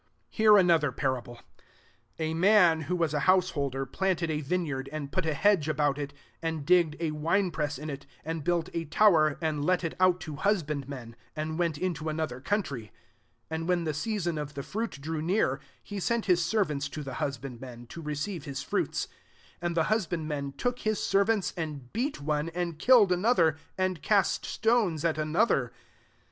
33 "Hear another parable: A man, who was a householderi planted a vineyard, and put a hedge about it, and digged a winepress in it, and built a tow er, and let it out to husband* men, and went into another country. 34 And when the season of the fruit drew near, he sent his servants to the hus bandmen, to receive his fruits* 35 And the husbandmen took his servants, and beat one and killed another, and cast stones at another.